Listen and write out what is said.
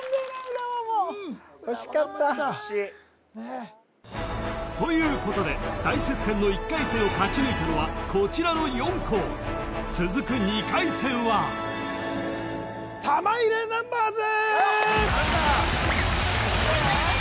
浦和も惜しかった浦和も頑張ったねえということで大接戦の１回戦を勝ち抜いたのはこちらの４校続く２回戦は玉入れナンバーズ！